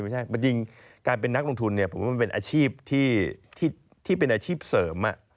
จริงการเป็นนักลงทุนเนี่ยผมว่ามันเป็นอาชีพที่เป็นอาชีพเสริม